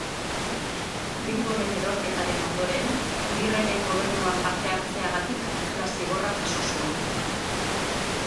Bilboren erorketaren ondoren, Agirreren gobernuan parte hartzeagatik kartzela-zigorra jaso zuen.